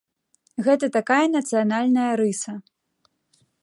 Гэта такая нацыянальная рыса.